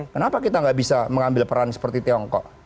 kenapa kita nggak bisa mengambil peran seperti tiongkok